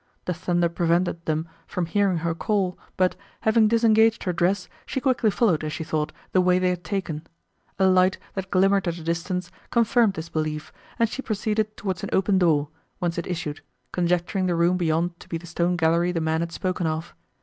The thunder prevented them from hearing her call but, having disengaged her dress, she quickly followed, as she thought, the way they had taken. A light, that glimmered at a distance, confirmed this belief, and she proceeded towards an open door, whence it issued, conjecturing the room beyond to be the stone gallery the men had spoken of.